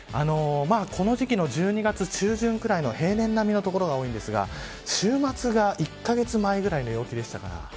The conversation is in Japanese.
この時期の１２月中旬ぐらいの平年並みの所が多いんですが週末が１カ月前ぐらいの陽気でしたから。